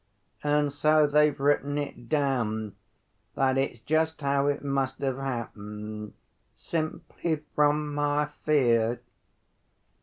And so they've written it down, that it's just how it must have happened, simply from my fear."